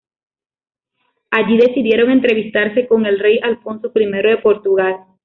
Allí decidieron entrevistarse con el rey Alfonso I de Portugal.